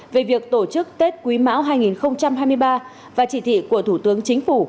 về việc tổ chức tết quý mão hai nghìn hai mươi ba và chỉ thị của thủ tướng chính phủ